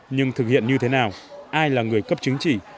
nhưng thực hiện như thế nào ai là người cấp chứng chỉ